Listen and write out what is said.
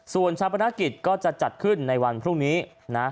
ส่วนชาปนกิจก็จะจัดขึ้นในวันพรุ่งนี้นะ